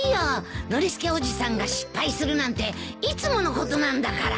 ノリスケおじさんが失敗するなんていつものことなんだから。